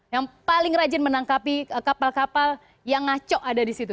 yang paling rajin menangkapi kapal kapal yang ngaco ada di situ